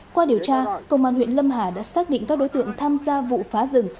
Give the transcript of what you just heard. qua điều tra công an huyện lâm hà đã xác định các đối tượng tham gia vụ phá rừng